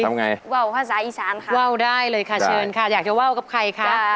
ทำไงว่าวภาษาอีสานค่ะว่าวได้เลยค่ะเชิญค่ะอยากจะว่าวกับใครคะ